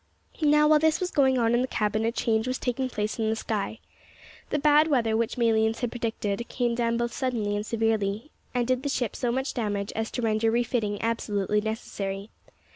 Now, while this was going on in the cabin, a change was taking place in the sky. The bad weather which Malines had predicted came down both suddenly and severely, and did the ship so much damage as to render refitting absolutely necessary.